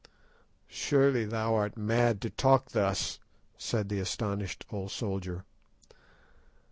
"Surely thou art mad to talk thus," said the astonished old soldier.